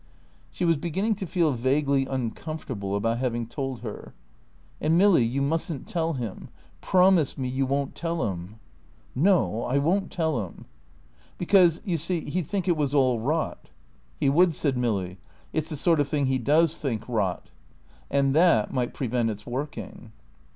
She was beginning to feel vaguely uncomfortable about having told her. "And Milly, you mustn't tell him. Promise me you won't tell him." "No, I won't tell him." "Because you see, he'd think it was all rot." "He would," said Milly. "It's the sort of thing he does think rot." "And that might prevent its working."